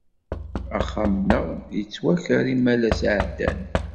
Axxam-nneɣ yettwaker imalas iɛeddan.